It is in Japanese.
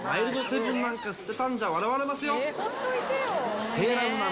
マイルドセブンなんか吸ってたんじゃ笑われますよ。